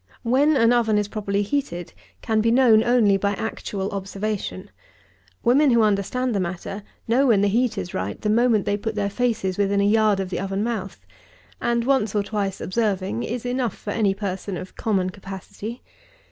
When an oven is properly heated, can be known only by actual observation. Women who understand the matter, know when the heat is right the moment they put their faces within a yard of the oven mouth; and once or twice observing is enough for any person of common capacity.